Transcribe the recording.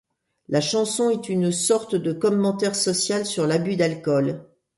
La chanson est une sorte de commentaire social sur l'abus d'alcool.